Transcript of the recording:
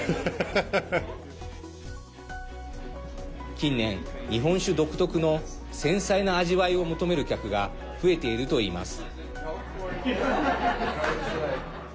近年、日本酒独特の繊細な味わいを求める客が増えているといいます。